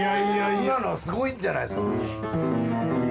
今のはすごいんじゃないっすか？